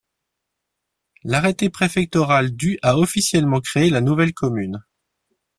L'arrêté préfectoral du a officiellement créé la nouvelle commune.